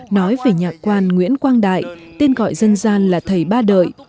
nói về nhạc quan nguyễn quang đại tên gọi dân gian là thầy ba đợi